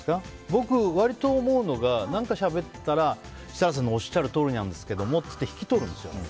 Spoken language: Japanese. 僕、割と思うのが何かしゃべったら設楽さんのおっしゃるとおりなんですけどもって引き取るんですよ。